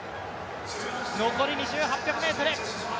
残り８００ｍ。